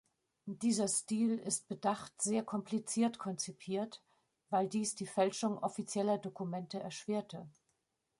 Dieser Stil ist bedacht sehr kompliziert konzipiert, weil dies die Fälschung offizieller Dokumente erschwerte.